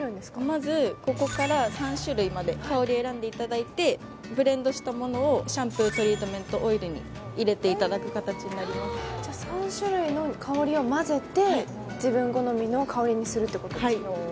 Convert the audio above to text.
まずここから３種類まで香り選んでいただいてブレンドしたものをシャンプー・トリートメント・オイルに入れていただく形になりますじゃあ３種類の香りを混ぜて自分好みの香りにするってことですかはいおお